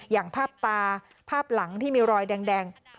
อย่างภาพตาภาพหลังที่มีรอยแดง